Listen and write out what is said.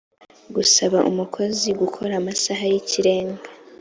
gusaba umukozi gukora amasaha y ikirenga